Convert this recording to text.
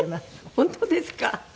本当ですか？